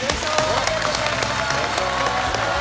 ありがとうございます。